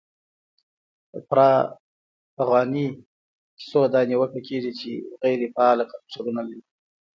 پرا فغانۍ کیسو دا نیوکه کېږي، چي غیري فعاله کرکټرونه لري.